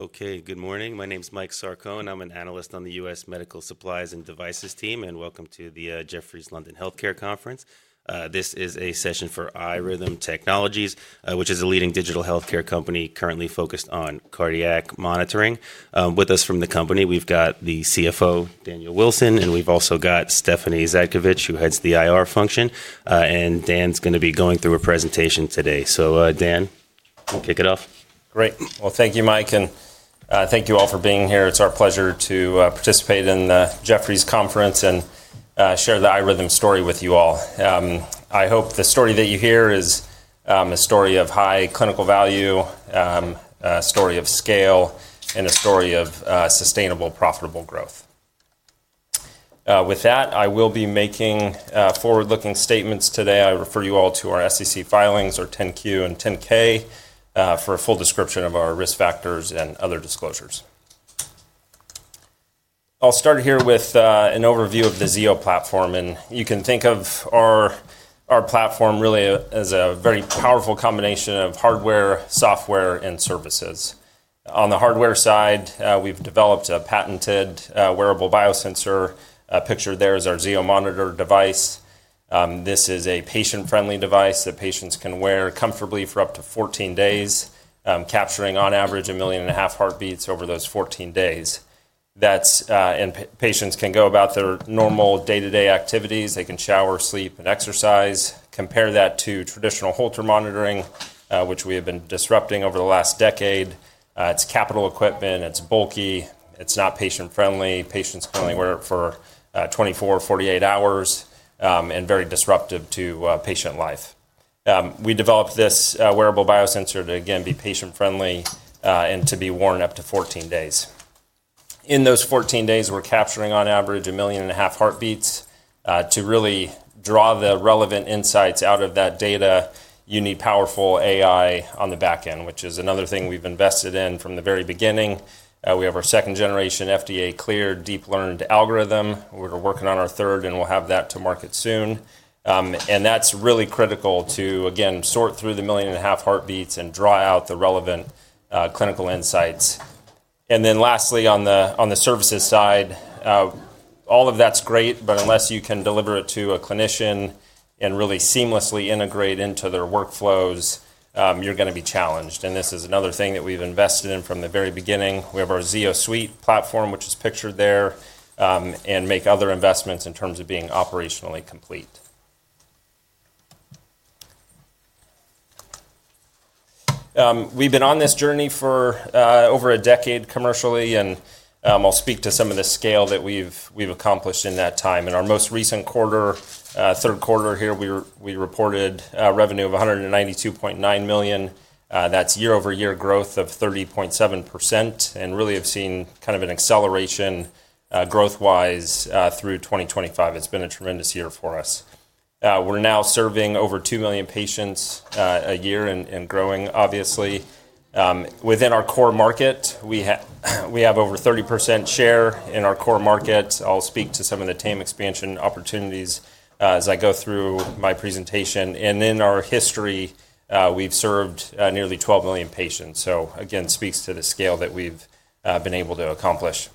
Okay, good morning. My name's Mike Sarcone. I'm an analyst on the U.S. Medical Supplies and Devices team, and welcome to the Jefferies London Healthcare Conference. This is a session for iRhythm Technologies, which is a leading digital healthcare company currently focused on cardiac monitoring. With us from the company, we've got the CFO, Daniel Wilson, and we've also got Stephanie Zhadkevich, who heads the IR function, and Dan's going to be going through a presentation today. Dan, we'll kick it off. Great. Thank you, Mike, and thank you all for being here. It is our pleasure to participate in the Jefferies Conference and share the iRhythm story with you all. I hope the story that you hear is a story of high clinical value, a story of scale, and a story of sustainable, profitable growth. With that, I will be making forward-looking statements today. I refer you all to our SEC filings, our 10Q and 10K, for a full description of our risk factors and other disclosures. I will start here with an overview of the Zio platform, and you can think of our platform really as a very powerful combination of hardware, software, and services. On the hardware side, we have developed a patented wearable biosensor. Pictured there is our Zio Monitor device. This is a patient-friendly device that patients can wear comfortably for up to 14 days, capturing on average a million and a half heartbeats over those 14 days. That's—patients can go about their normal day-to-day activities. They can shower, sleep, and exercise. Compare that to traditional Holter monitoring, which we have been disrupting over the last decade. It's capital equipment. It's bulky. It's not patient-friendly. Patients can only wear it for 24 or 48 hours and very disruptive to patient life. We developed this wearable biosensor to, again, be patient-friendly and to be worn up to 14 days. In those 14 days, we're capturing on average a million and a half heartbeats. To really draw the relevant insights out of that data, you need powerful AI on the back end, which is another thing we've invested in from the very beginning. We have our second-generation FDA-cleared deep-learned algorithm. We're working on our third, and we'll have that to market soon. That's really critical to, again, sort through the million and a half heartbeats and draw out the relevant clinical insights. Lastly, on the services side, all of that's great, but unless you can deliver it to a clinician and really seamlessly integrate into their workflows, you're going to be challenged. This is another thing that we've invested in from the very beginning. We have our Zio Suite platform, which is pictured there, and make other investments in terms of being operationally complete. We've been on this journey for over a decade commercially, and I'll speak to some of the scale that we've accomplished in that time. In our most recent quarter, third quarter here, we reported revenue of $192.9 million. That's year-over-year growth of 30.7%, and really have seen kind of an acceleration growth-wise through 2025. It's been a tremendous year for us. We're now serving over 2 million patients a year and growing, obviously. Within our core market, we have over a 30% share in our core market. I'll speak to some of the TAM expansion opportunities as I go through my presentation. In our history, we've served nearly 12 million patients. Again, speaks to the scale that we've been able to accomplish.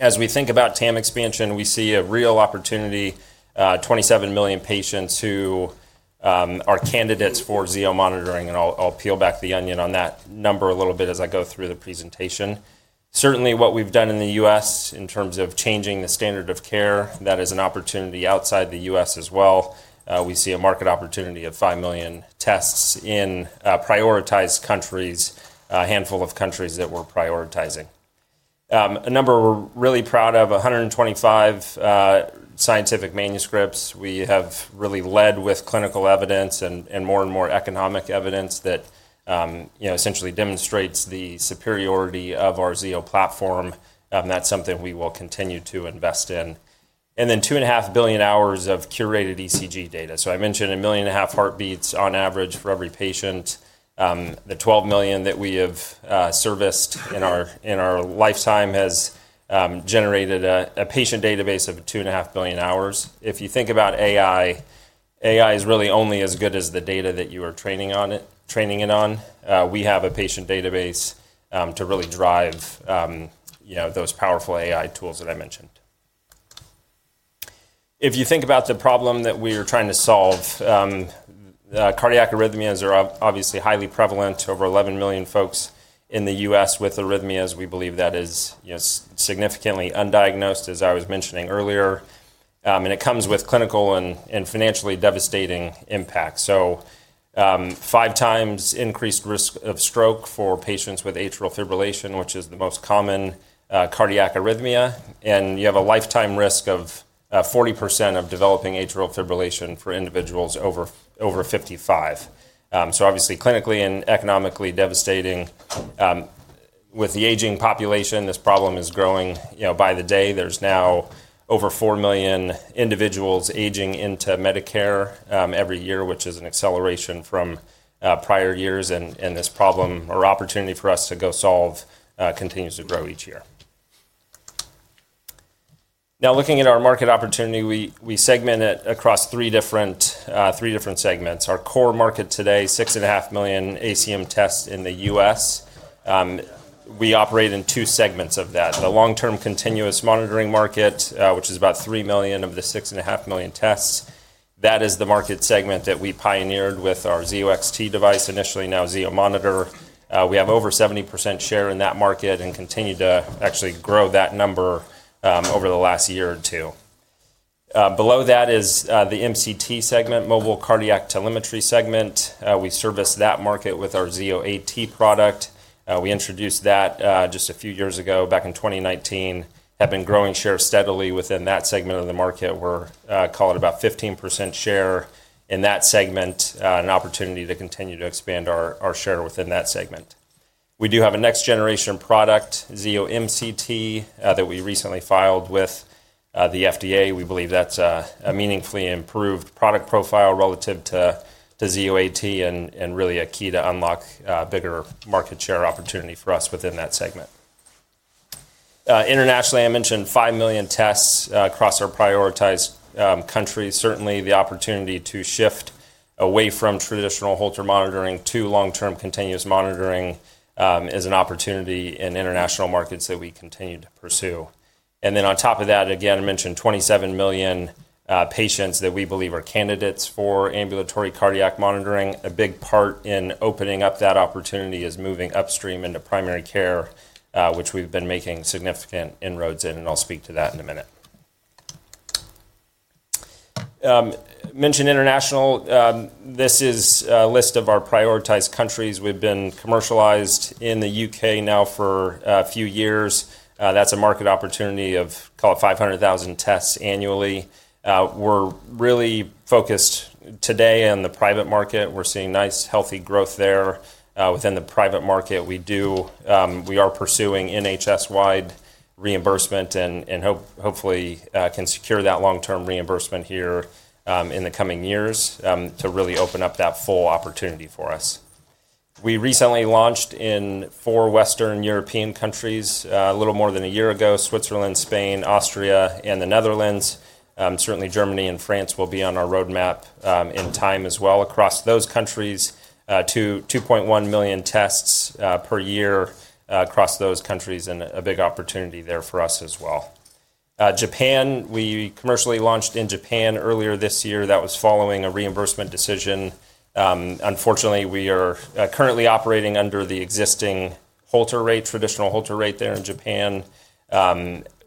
As we think about TAM expansion, we see a real opportunity: 27 million patients who are candidates for Zio monitoring, and I'll peel back the onion on that number a little bit as I go through the presentation. Certainly, what we've done in the U.S. in terms of changing the standard of care, that is an opportunity outside the U.S. as well. We see a market opportunity of 5 million tests in prioritized countries, a handful of countries that we're prioritizing. A number we're really proud of: 125 scientific manuscripts. We have really led with clinical evidence and more and more economic evidence that essentially demonstrates the superiority of our Zio platform. That is something we will continue to invest in. Then 2.5 billion hours of curated ECG data. I mentioned a million and a half heartbeats on average for every patient. The 12 million that we have serviced in our lifetime has generated a patient database of 2.5 billion hours. If you think about AI, AI is really only as good as the data that you are training it on. We have a patient database to really drive those powerful AI tools that I mentioned. If you think about the problem that we are trying to solve, cardiac arrhythmias are obviously highly prevalent. Over 11 million folks in the U.S. with arrhythmias, we believe that is significantly undiagnosed, as I was mentioning earlier, and it comes with clinical and financially devastating impacts. Five times increased risk of stroke for patients with atrial fibrillation, which is the most common cardiac arrhythmia, and you have a lifetime risk of 40% of developing atrial fibrillation for individuals over 55. Obviously, clinically and economically devastating. With the aging population, this problem is growing by the day. There is now over 4 million individuals aging into Medicare every year, which is an acceleration from prior years, and this problem, or opportunity for us to go solve, continues to grow each year. Now, looking at our market opportunity, we segment it across three different segments. Our core market today: 6.5 million ACM tests in the U.S. We operate in two segments of that: the long-term continuous monitoring market, which is about 3 million of the 6.5 million tests. That is the market segment that we pioneered with our Zio XT device initially, now Zio Monitor. We have over 70% share in that market and continue to actually grow that number over the last year or two. Below that is the MCT segment, mobile cardiac telemetry segment. We service that market with our Zio AT product. We introduced that just a few years ago, back in 2019, have been growing share steadily within that segment of the market. We're calling it about 15% share in that segment, an opportunity to continue to expand our share within that segment. We do have a next-generation product, Zio MCT, that we recently filed with the FDA. We believe that's a meaningfully improved product profile relative to Zio AT and really a key to unlock a bigger market share opportunity for us within that segment. Internationally, I mentioned 5 million tests across our prioritized countries. Certainly, the opportunity to shift away from traditional Holter monitoring to long-term continuous monitoring is an opportunity in international markets that we continue to pursue. On top of that, again, I mentioned 27 million patients that we believe are candidates for ambulatory cardiac monitoring. A big part in opening up that opportunity is moving upstream into primary care, which we've been making significant inroads in, and I'll speak to that in a minute. Mentioned international. This is a list of our prioritized countries. We've been commercialized in the U.K. now for a few years. That's a market opportunity of, call it, 500,000 tests annually. We're really focused today on the private market. We're seeing nice, healthy growth there within the private market. We are pursuing NHS-wide reimbursement and hopefully can secure that long-term reimbursement here in the coming years to really open up that full opportunity for us. We recently launched in four Western European countries a little more than a year ago: Switzerland, Spain, Austria, and the Netherlands. Certainly, Germany and France will be on our roadmap in time as well across those countries. 2.1 million tests per year across those countries and a big opportunity there for us as well. Japan, we commercially launched in Japan earlier this year. That was following a reimbursement decision. Unfortunately, we are currently operating under the existing Holter rate, traditional Holter rate there in Japan.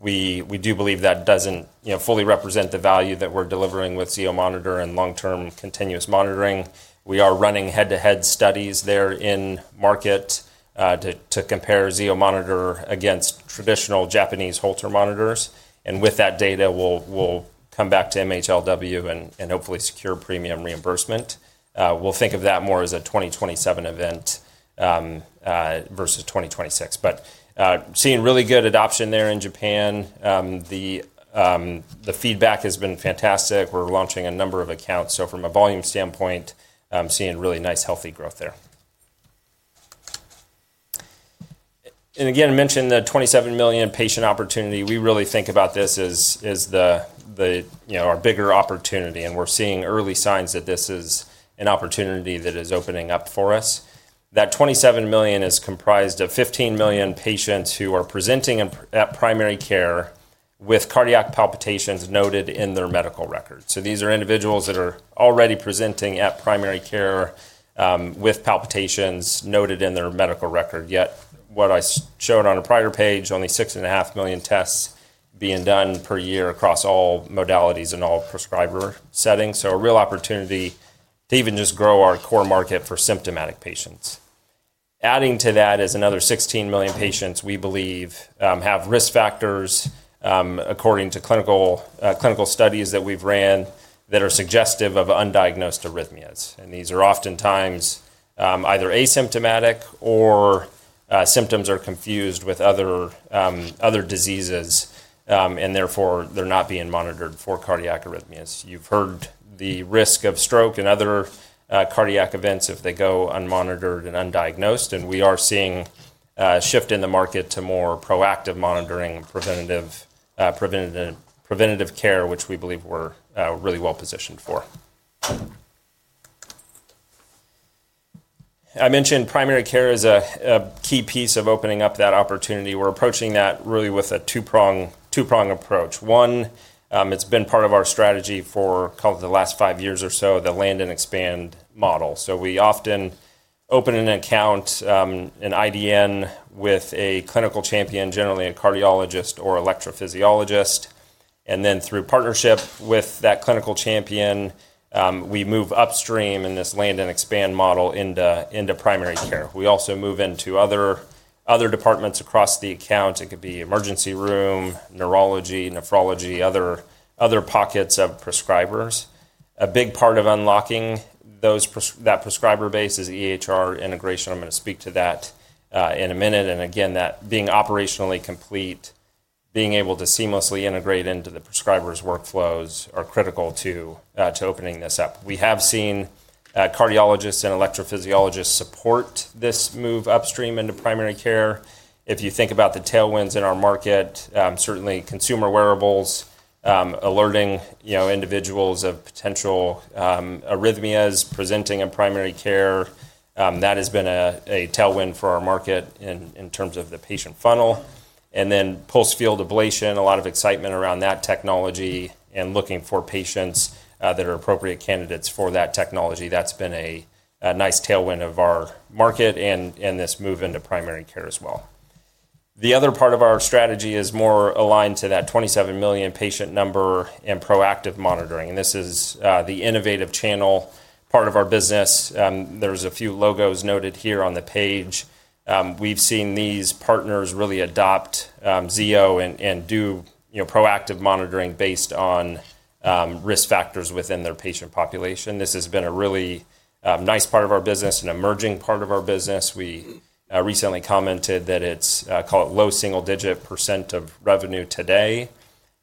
We do believe that doesn't fully represent the value that we're delivering with Zio Monitor and long-term continuous monitoring. We are running head-to-head studies there in market to compare Zio Monitor against traditional Japanese Holter monitors. With that data, we'll come back to MHLW and hopefully secure premium reimbursement. We'll think of that more as a 2027 event versus 2026. Seeing really good adoption there in Japan, the feedback has been fantastic. We're launching a number of accounts. From a volume standpoint, I'm seeing really nice, healthy growth there. I mentioned the 27 million patient opportunity. We really think about this as our bigger opportunity, and we're seeing early signs that this is an opportunity that is opening up for us. That 27 million is comprised of 15 million patients who are presenting at primary care with cardiac palpitations noted in their medical record. These are individuals that are already presenting at primary care with palpitations noted in their medical record. Yet what I showed on a prior page, only 6.5 million tests being done per year across all modalities and all prescriber settings. A real opportunity to even just grow our core market for symptomatic patients. Adding to that is another 16 million patients we believe have risk factors according to clinical studies that we've ran that are suggestive of undiagnosed arrhythmias. These are oftentimes either asymptomatic or symptoms are confused with other diseases, and therefore they're not being monitored for cardiac arrhythmias. You've heard the risk of stroke and other cardiac events if they go unmonitored and undiagnosed, and we are seeing a shift in the market to more proactive monitoring and preventative care, which we believe we're really well positioned for. I mentioned primary care is a key piece of opening up that opportunity. We're approaching that really with a two-prong approach. One, it's been part of our strategy for, call it, the last five years or so, the Land and Expand model. We often open an account, an IDN with a clinical champion, generally a cardiologist or electrophysiologist. Through partnership with that clinical champion, we move upstream in this Land and Expand model into primary care. We also move into other departments across the account. It could be emergency room, neurology, nephrology, other pockets of prescribers. A big part of unlocking that prescriber base is EHR integration. I'm going to speak to that in a minute. That being operationally complete, being able to seamlessly integrate into the prescriber's workflows, is critical to opening this up. We have seen cardiologists and electrophysiologists support this move upstream into primary care. If you think about the tailwinds in our market, certainly consumer wearables alerting individuals of potential arrhythmias presenting in primary care, that has been a tailwind for our market in terms of the patient funnel. Pulse field ablation, a lot of excitement around that technology and looking for patients that are appropriate candidates for that technology. That has been a nice tailwind of our market and this move into primary care as well. The other part of our strategy is more aligned to that 27 million patient number and proactive monitoring. This is the innovative channel part of our business. There are a few logos noted here on the page. We have seen these partners really adopt Zio and do proactive monitoring based on risk factors within their patient population. This has been a really nice part of our business and emerging part of our business. We recently commented that it's, call it, low single-digit % of revenue today.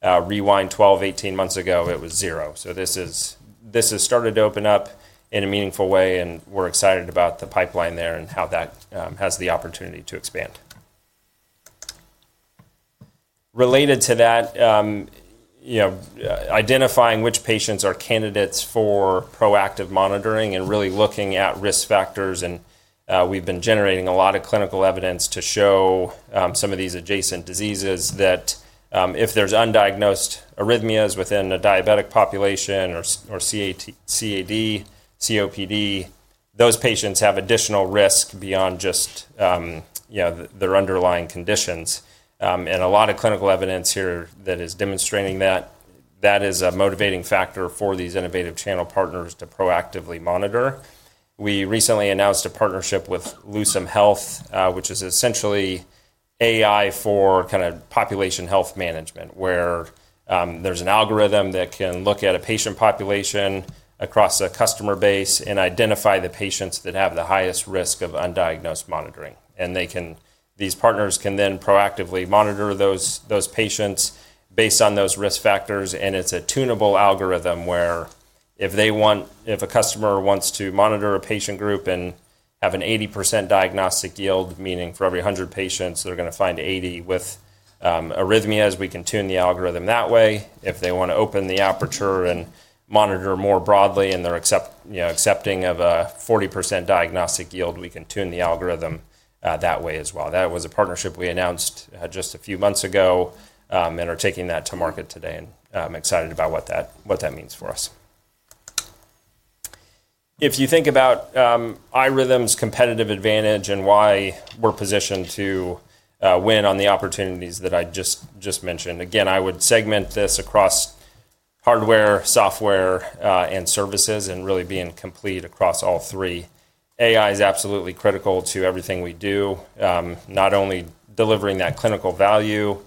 Rewind 12, 18 months ago, it was zero. This has started to open up in a meaningful way, and we're excited about the pipeline there and how that has the opportunity to expand. Related to that, identifying which patients are candidates for proactive monitoring and really looking at risk factors. We've been generating a lot of clinical evidence to show some of these adjacent diseases that if there's undiagnosed arrhythmias within a diabetic population or CAD, COPD, those patients have additional risk beyond just their underlying conditions. A lot of clinical evidence here that is demonstrating that that is a motivating factor for these innovative channel partners to proactively monitor. We recently announced a partnership with Lusum Health, which is essentially AI for kind of population health management, where there's an algorithm that can look at a patient population across a customer base and identify the patients that have the highest risk of undiagnosed monitoring. These partners can then proactively monitor those patients based on those risk factors. It's a tunable algorithm where if a customer wants to monitor a patient group and have an 80% diagnostic yield, meaning for every 100 patients, they're going to find 80 with arrhythmias, we can tune the algorithm that way. If they want to open the aperture and monitor more broadly and they're accepting of a 40% diagnostic yield, we can tune the algorithm that way as well. That was a partnership we announced just a few months ago and are taking that to market today. I'm excited about what that means for us. If you think about iRhythm's competitive advantage and why we're positioned to win on the opportunities that I just mentioned, I would segment this across hardware, software, and services and really being complete across all three. AI is absolutely critical to everything we do, not only delivering that clinical value,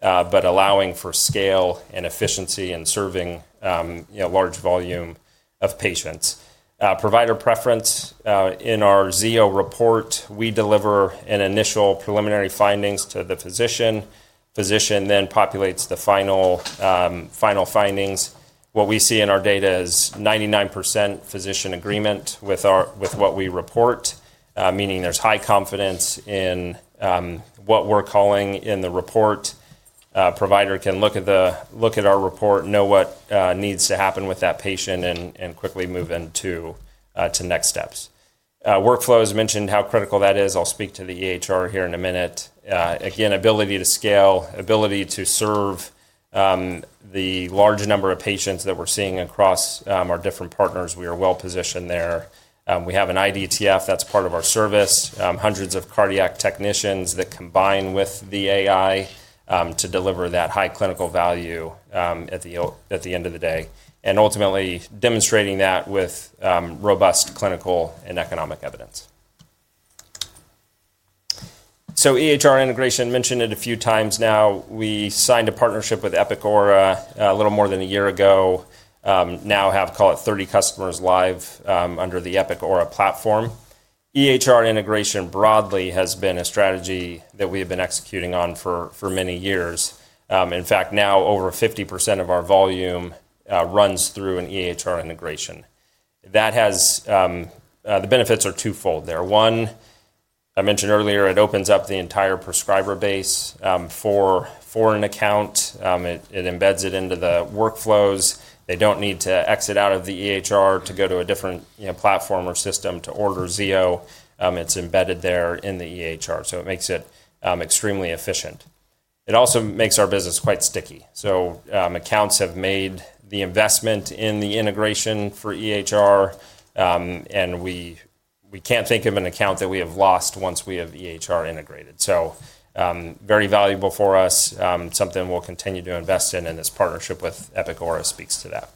but allowing for scale and efficiency in serving large volume of patients. Provider preference. In our Zio report, we deliver an initial preliminary findings to the physician. Physician then populates the final findings. What we see in our data is 99% physician agreement with what we report, meaning there's high confidence in what we're calling in the report. Provider can look at our report, know what needs to happen with that patient, and quickly move into next steps. Workflows, mentioned how critical that is. I'll speak to the EHR here in a minute. Again, ability to scale, ability to serve the large number of patients that we're seeing across our different partners. We are well positioned there. We have an IDTF that's part of our service, hundreds of cardiac technicians that combine with the AI to deliver that high clinical value at the end of the day. Ultimately, demonstrating that with robust clinical and economic evidence. EHR integration, mentioned it a few times now. We signed a partnership with Epic Aura a little more than a year ago. Now have, call it, 30 customers live under the Epic Aura platform. EHR integration broadly has been a strategy that we have been executing on for many years. In fact, now over 50% of our volume runs through an EHR integration. The benefits are twofold there. One, I mentioned earlier, it opens up the entire prescriber base for an account. It embeds it into the workflows. They do not need to exit out of the EHR to go to a different platform or system to order Zio. It is embedded there in the EHR. It makes it extremely efficient. It also makes our business quite sticky. Accounts have made the investment in the integration for EHR, and we cannot think of an account that we have lost once we have EHR integrated. Very valuable for us, something we will continue to invest in, and this partnership with Epic Aura speaks to that.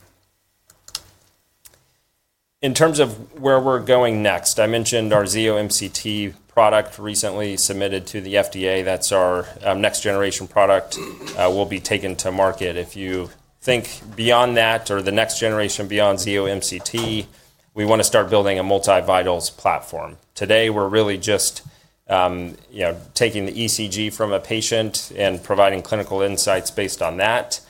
In terms of where we are going next, I mentioned our Zio MCT product recently submitted to the FDA. That is our next-generation product. We will be taking it to market. If you think beyond that or the next generation beyond Zio MCT, we want to start building a multivitals platform. Today, we're really just taking the ECG from a patient and providing clinical insights based on that.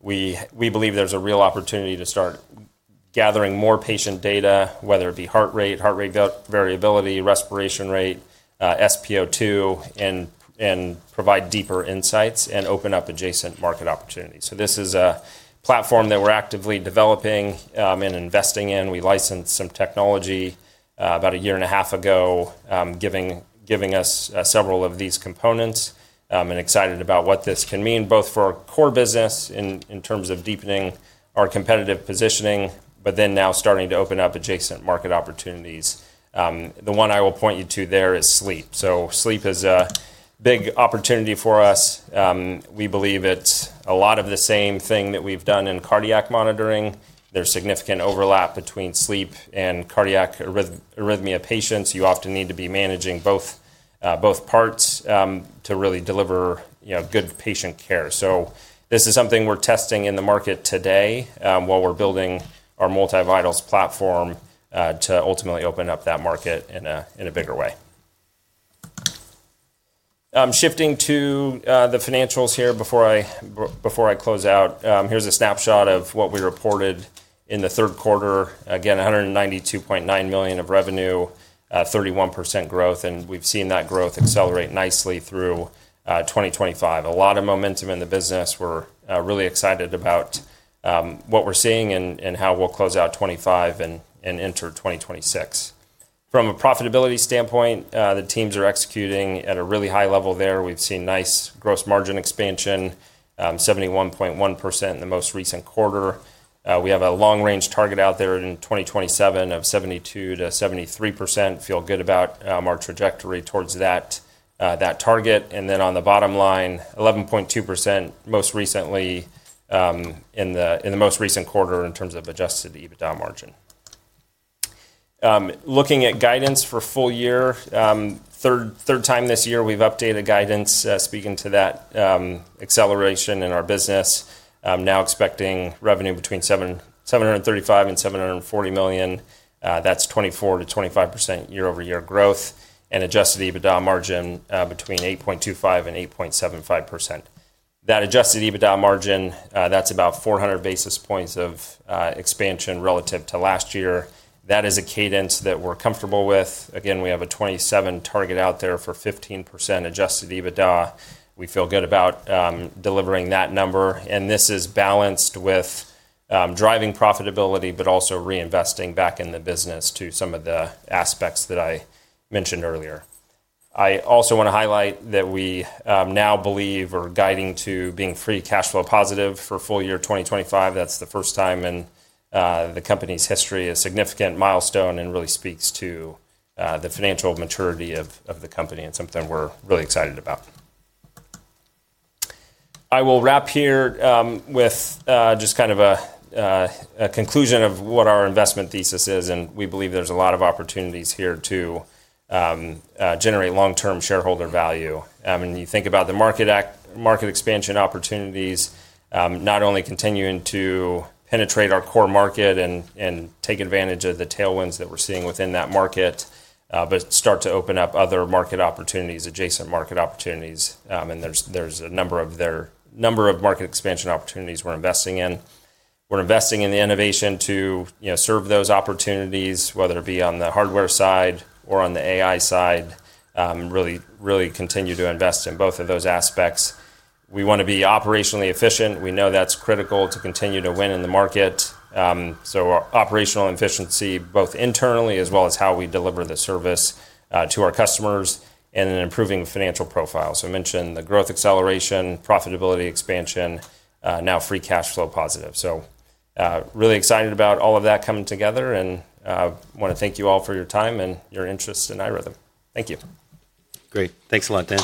We believe there's a real opportunity to start gathering more patient data, whether it be heart rate, heart rate variability, respiration rate, SpO2, and provide deeper insights and open up adjacent market opportunities. This is a platform that we're actively developing and investing in. We licensed some technology about a year and a half ago, giving us several of these components. I'm excited about what this can mean both for our core business in terms of deepening our competitive positioning, but then now starting to open up adjacent market opportunities. The one I will point you to there is sleep. Sleep is a big opportunity for us. We believe it's a lot of the same thing that we've done in cardiac monitoring. There's significant overlap between sleep and cardiac arrhythmia patients. You often need to be managing both parts to really deliver good patient care. This is something we're testing in the market today while we're building our multivitals platform to ultimately open up that market in a bigger way. Shifting to the financials here before I close out, here's a snapshot of what we reported in the third quarter. Again, $192.9 million of revenue, 31% growth, and we've seen that growth accelerate nicely through 2025. A lot of momentum in the business. We're really excited about what we're seeing and how we'll close out 2025 and enter 2026. From a profitability standpoint, the teams are executing at a really high level there. We've seen nice gross margin expansion, 71.1% in the most recent quarter. We have a long-range target out there in 2027 of 72-73%. Feel good about our trajectory towards that target. On the bottom line, 11.2% most recently in the most recent quarter in terms of adjusted EBITDA margin. Looking at guidance for full year, third time this year, we've updated guidance, speaking to that acceleration in our business. Now expecting revenue between $735 million and $740 million. That's 24-25% year-over-year growth and adjusted EBITDA margin between 8.25-8.75%. That adjusted EBITDA margin, that's about 400 basis points of expansion relative to last year. That is a cadence that we're comfortable with. We have a 2027 target out there for 15% adjusted EBITDA. We feel good about delivering that number. This is balanced with driving profitability, but also reinvesting back in the business to some of the aspects that I mentioned earlier. I also want to highlight that we now believe or are guiding to being free cash flow positive for full year 2025. That's the first time in the company's history, a significant milestone and really speaks to the financial maturity of the company and something we're really excited about. I will wrap here with just kind of a conclusion of what our investment thesis is. We believe there's a lot of opportunities here to generate long-term shareholder value. You think about the market expansion opportunities, not only continuing to penetrate our core market and take advantage of the tailwinds that we're seeing within that market, but start to open up other market opportunities, adjacent market opportunities. There's a number of market expansion opportunities we're investing in. We're investing in the innovation to serve those opportunities, whether it be on the hardware side or on the AI side, really continue to invest in both of those aspects. We want to be operationally efficient. We know that's critical to continue to win in the market. Operational efficiency, both internally as well as how we deliver the service to our customers and an improving financial profile. I mentioned the growth acceleration, profitability expansion, now free cash flow positive. Really excited about all of that coming together and want to thank you all for your time and your interest in iRhythm. Thank you. Great. Thanks a lot, Dan.